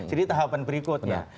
jadi tahapan berikutnya